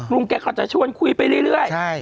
ลุงแกก็จะชวนคุยไปเรื่อย